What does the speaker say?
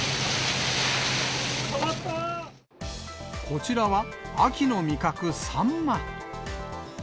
こちらは、秋の味覚、サンマ。